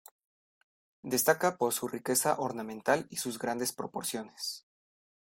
Destaca por su riqueza ornamental y sus grandes proporciones.